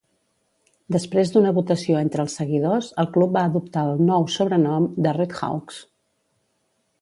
Després d'una votació entre els seguidors, el club va adoptar el nou sobrenom de RedHawks.